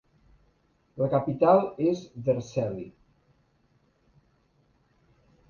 La capital és Vercelli.